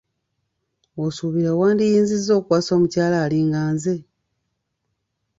Osuubira wandiyinzizza okuwasa omukyala alinga nze?